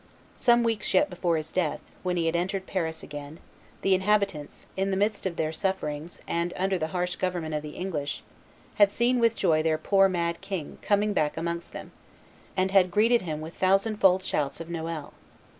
Some weeks yet before his death, when he had entered Paris again, the inhabitants, in the midst of their sufferings and under the harsh government of the English, had seen with joy their poor mad king coming back amongst them, and had greeted him with thousand fold shouts of "Noel!"